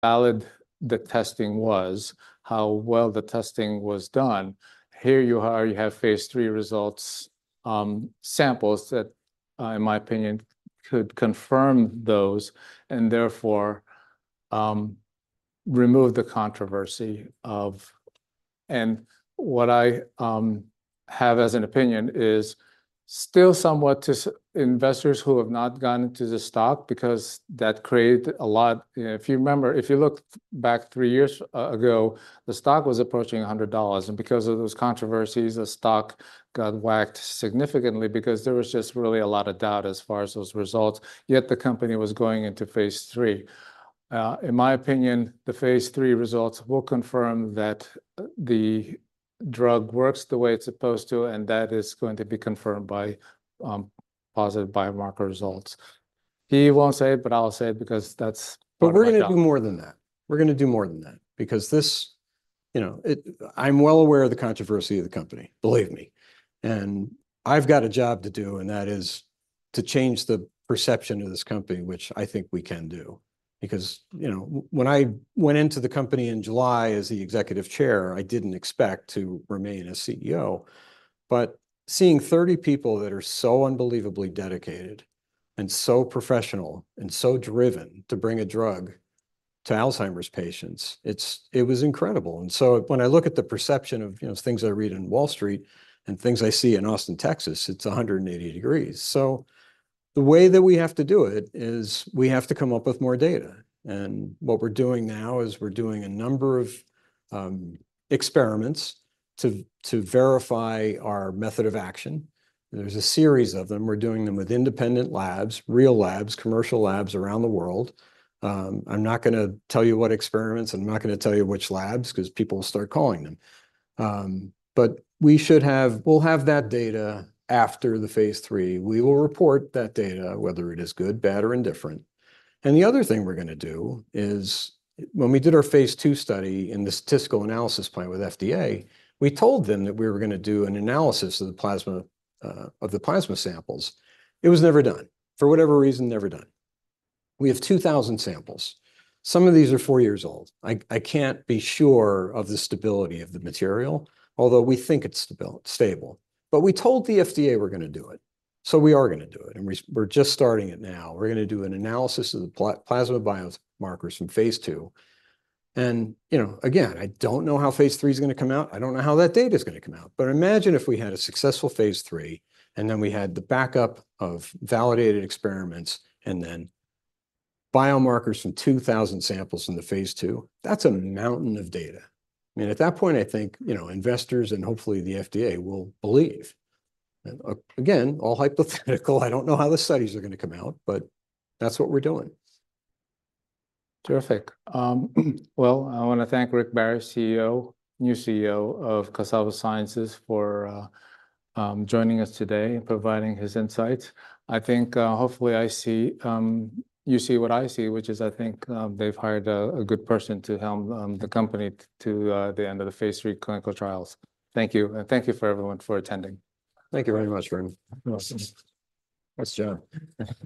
valid the testing was, how well the testing was done. Here you are, you have phase three results, samples that, in my opinion, could confirm those and therefore remove the controversy. What I have as an opinion is still somewhat to investors who have not gone into the stock because that created a lot. You know, if you remember, if you look back three years ago, the stock was approaching $100, and because of those controversies, the stock got whacked significantly because there was just really a lot of doubt as far as those results, yet the company was going into phase three. In my opinion, the phase three results will confirm that the drug works the way it's supposed to, and that is going to be confirmed by positive biomarker results. He won't say it, but I'll say it because that's part of my job. But we're gonna do more than that. We're gonna do more than that because this, you know, I'm well aware of the controversy of the company, believe me, and I've got a job to do, and that is to change the perception of this company, which I think we can do. Because, you know, when I went into the company in July as the Executive Chair, I didn't expect to remain as CEO. But seeing 30 people that are so unbelievably dedicated, and so professional, and so driven to bring a drug to Alzheimer's patients, it was incredible. And so when I look at the perception of, you know, things I read in Wall Street and things I see in Austin, Texas, it's 180 degrees. So the way that we have to do it is we have to come up with more data, and what we're doing now is we're doing a number of experiments to verify our method of action. There's a series of them. We're doing them with independent labs, real labs, commercial labs around the world. I'm not gonna tell you what experiments, I'm not gonna tell you which labs, 'cause people will start calling them. But we'll have that data after the phase three. We will report that data, whether it is good, bad, or indifferent. And the other thing we're gonna do is, when we did our phase two study in the statistical analysis plan with FDA, we told them that we were gonna do an analysis of the plasma samples. It was never done. For whatever reason, never done. We have 2,000 samples. Some of these are four years old. I can't be sure of the stability of the material, although we think it's stable. But we told the FDA we're gonna do it, so we are gonna do it, and we're just starting it now. We're gonna do an analysis of the plasma biomarkers from phase two. And, you know, again, I don't know how phase three is gonna come out. I don't know how that data's gonna come out. But imagine if we had a successful phase three, and then we had the backup of validated experiments, and then biomarkers from 2,000 samples in the phase two. That's a mountain of data. I mean, at that point, I think, you know, investors and hopefully the FDA will believe. Again, all hypothetical. I don't know how the studies are gonna come out, but that's what we're doing. Terrific. Well, I wanna thank Rick Barry, CEO, new CEO of Cassava Sciences, for joining us today and providing his insights. I think, hopefully, I see, you see what I see, which is I think, they've hired a good person to helm, the company to, the end of the phase three clinical trials. Thank you, and thank you for everyone for attending. Thank you very much, Rune. You're welcome. Nice job.